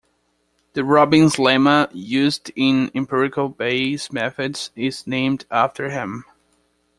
The Robbins lemma, used in empirical Bayes methods, is named after him.